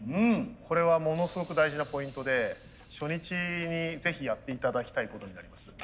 これはものすごく大事なポイントで初日にぜひやって頂きたいことになります。